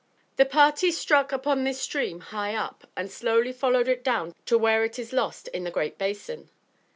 The party struck upon this stream high up and slowly followed it down to where it is lost in the Great Basin.